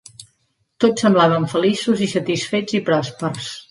Tots semblaven feliços i satisfets i pròspers.